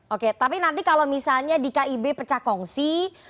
oke tapi nanti kalau misalnya di kib pecah kongsi